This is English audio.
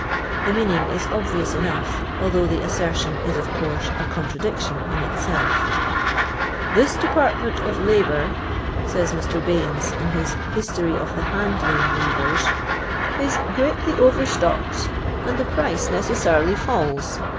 The meaning is obvious enough, although the assertion is, of course, a contradiction in itselfl "This department of labour," says Mr. Baine8,in his History of the Hand Loom Weavers, is "greatly overstocked, and the price necessarily falls.